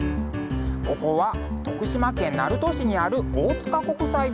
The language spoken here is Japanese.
ここは徳島県鳴門市にある大塚国際美術館。